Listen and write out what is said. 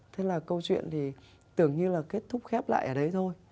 thế là câu chuyện thì tưởng như là kết thúc khép lại ở đấy thôi